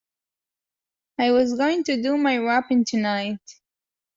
I was going to do my wrapping tonight.